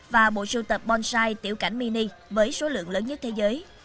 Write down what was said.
và bộ sưu tập bonsai tiểu cảnh mini với số lượng lớn nhất thế giới